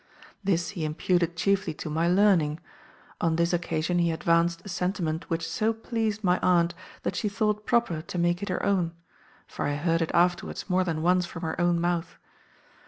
This he imputed chiefly to my learning; on this occasion he advanced a sentiment which so pleased my aunt that she thought proper to make it her own; for I heard it afterwards more than once from her own mouth.